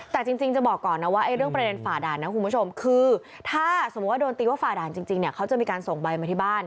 แต่จริงจะบอกก่อนนะว่าเรื่องประเด็นฝ่าด่านนะคุณผู้ชมคือถ้าสมมุติว่าโดนตีว่าฝ่าด่านจริงเนี่ยเขาจะมีการส่งใบมาที่บ้าน